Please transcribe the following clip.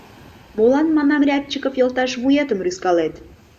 — Молан, манам, Рябчиков йолташ, вуетым рӱзкалет?